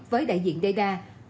với đại diện didai